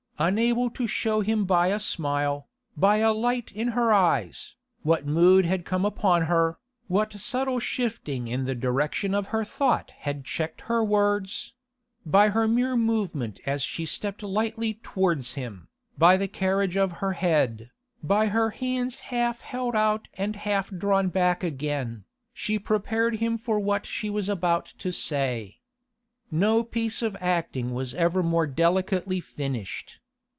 Unable to show him by a smile, by a light in her eyes, what mood had come upon her, what subtle shifting in the direction of her thought had checked her words—by her mere movement as she stepped lightly towards him, by the carriage of her head, by her hands half held out and half drawn back again, she prepared him for what she was about to say. No piece of acting was ever more delicately finished.